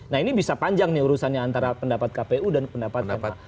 nah ini bisa panjang urusannya antara pendapat kpu dan pendapat ma